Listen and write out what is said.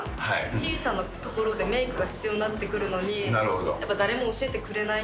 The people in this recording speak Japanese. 小さなところでメイクが必要になってくるのに、やっぱり誰も教えてくれない。